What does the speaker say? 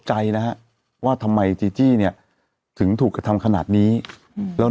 ใจนะฮะว่าทำไมจีจี้เนี่ยถึงถูกกระทำขนาดนี้แล้ว